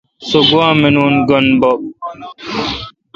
سو گوا مینون۔ گینب بب۔